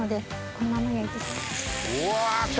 このまま焼いて。